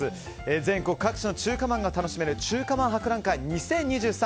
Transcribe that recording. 全国各地の中華まんが楽しめる中華まん博覧会２０２３